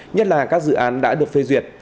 nhất là các dự án đã được phê duyệt